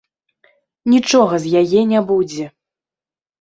Нічога з яе не будзе.